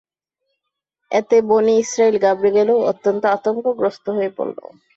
এতে বনী ইসরাইল ঘাবড়ে গেল ও অত্যন্ত আতংকগ্রস্ত হয়ে পড়ল।